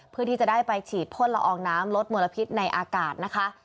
เพื่อที่จะได้ไปฉีดพ่นละอองน้ำลดมลพิษในอากาศนะคะ